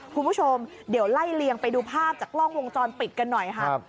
คุณผู้ชมเดี๋ยวไล่เลียงไปดูภาพจากกล้องวงจรปิดกันหน่อยค่ะ